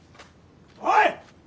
おい！